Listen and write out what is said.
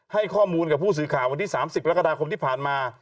ให้ข้อมูลกับผู้สื่อข่าววันที่๓๐กรกฎาคมที่ผ่านมา